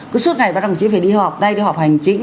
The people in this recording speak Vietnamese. cứ suốt ngày bác đồng chí phải đi họp đây đi họp hành chính